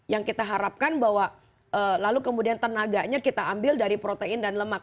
yang kita harapkan bahwa lalu kemudian tenaganya kita ambil dari protein dan lemak